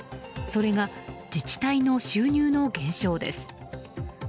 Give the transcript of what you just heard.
それが自治体の収入の減少です。